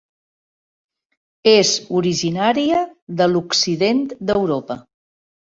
És originària de l'occident d'Europa.